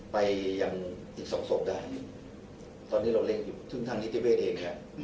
ไปยังอีกสองศพได้ตอนนี้เราเล่นถึงทางนิติเวทเองแหละ